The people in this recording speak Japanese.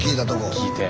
聞いて。